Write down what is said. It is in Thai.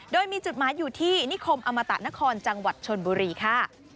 โดยมีจุดหมายอยู่ที่นิคมอมตะนครจังหวัดชนบุรีค่ะ